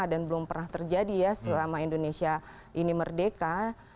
dan belum pernah terjadi ya selama indonesia ini merdeka